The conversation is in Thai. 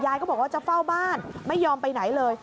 ก็บอกว่าจะเฝ้าบ้านไม่ยอมไปไหนเลย